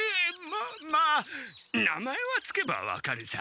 ままあ名前は着けば分かるさ。